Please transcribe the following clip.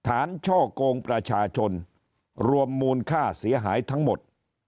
ช่อกงประชาชนรวมมูลค่าเสียหายทั้งหมด